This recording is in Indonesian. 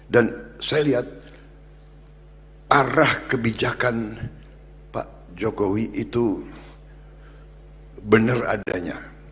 saya lihat arah kebijakan pak jokowi itu benar adanya